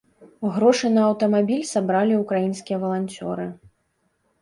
Грошы на аўтамабіль сабралі ўкраінскія валанцёры.